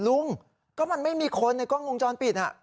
ลุงก็มันไม่มีคนในกล้องวงจรปิด